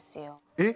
えっ？